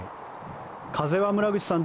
風は村口さん